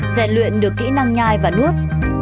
dạy luyện được kỹ năng nhai và nuốt